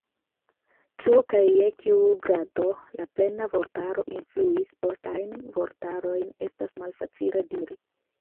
Ĉu kaj je kiu grado la "Plena Vortaro" influis postajn vortarojn, estas malfacile diri.